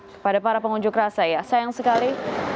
kepada para pengunjuk rasa ya sayang sekali